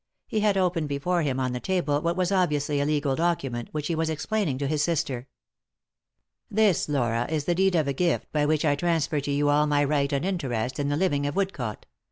He had open before him on the table what was obviously a legal document, which he was ex plaining to his sister. " This, Laura, is the deed of gift by which I transfer to you all my right and interest in the living of Wood cote.